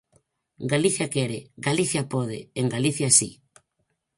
Galicia quere, Galicia pode, en Galicia si.